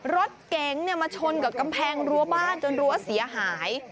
รถเก๋งมาชนกับกำแพงรั้วบ้านจนรั้วเสียหาย